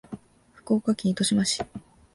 福岡県糸島市